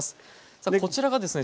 さあこちらがですね